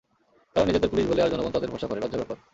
তারা নিজেদের পুলিশ বলে আর জনগণ তাদের ভরসা করে- লজ্জার ব্যাপার।